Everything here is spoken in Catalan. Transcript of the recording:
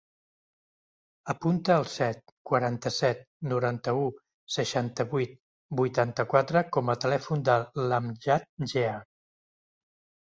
Apunta el set, quaranta-set, noranta-u, seixanta-vuit, vuitanta-quatre com a telèfon de l'Amjad Gea.